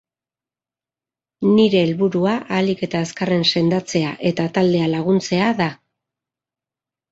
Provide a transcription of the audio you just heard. Nire helburua ahalik eta azkarren sendatzea eta taldea laguntzea da.